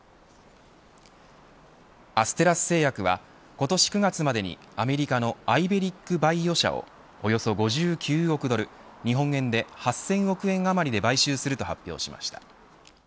アステラス製薬は今年９月までにアメリカのＩｖｅｒｉｃＢｉｏ社をおよそ５９億ドル日本円で８０００億円余りで買収すると発表しました。